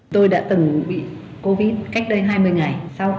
tôi đã từng bị covid cách đây hai mươi ngày